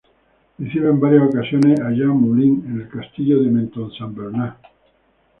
Recibe en varias ocasiones a Jean Moulin en el castillo de Menthon-Saint-Bernard.